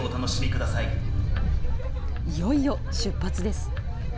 いよいよ出発です。